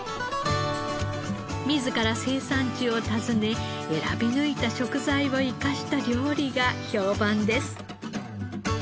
自ら生産地を訪ね選び抜いた食材を生かした料理が評判です。